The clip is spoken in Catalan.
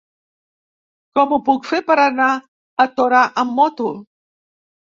Com ho puc fer per anar a Torà amb moto?